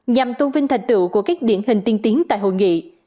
nhằm tôn vinh thành tựu của các điển hình tiên tiến tại hội nghị